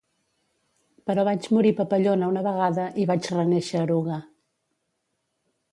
Però vaig morir papallona una vegada i vaig renéixer eruga.